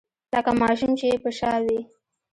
لکه ماشوم چې يې په شا وي.